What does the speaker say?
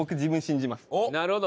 なるほど。